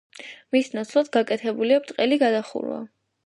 მის ნაცვლად გაკეთებულია ბრტყელი გადახურვა.